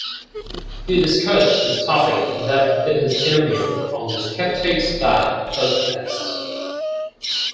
He discussed this topic in depth in his interview on the "Skeptics' Guide" podcast.